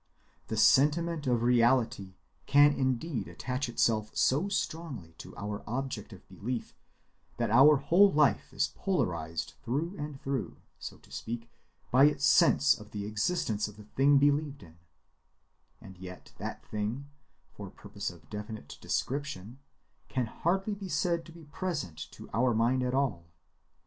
The sentiment of reality can indeed attach itself so strongly to our object of belief that our whole life is polarized through and through, so to speak, by its sense of the existence of the thing believed in, and yet that thing, for purpose of definite description, can hardly be said to be present to our mind at all.